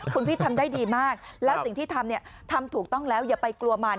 คุณพี่ทำได้ดีมากแล้วสิ่งที่ทำเนี่ยทำทำถูกต้องแล้วอย่าไปกลัวมัน